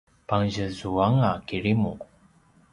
pangtjezu anga kirimu